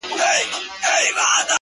زه چي په هره چهارشنبه يو ځوان لحد ته _